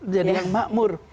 jadi yang makmur